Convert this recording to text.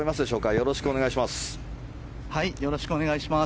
よろしくお願いします。